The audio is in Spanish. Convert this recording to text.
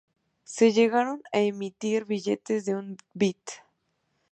Se llegaron a emitir billetes de un bit.